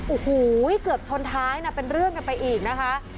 โอ้โหเกือบชนท้ายนะเป็นเรื่องกันไปอีกนะคะ